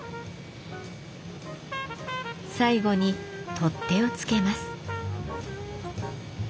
最後に取っ手をつけます。